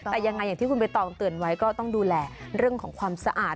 แต่ยังไงอย่างที่คุณใบตองเตือนไว้ก็ต้องดูแลเรื่องของความสะอาด